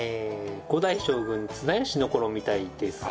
５代将軍綱吉の頃みたいです。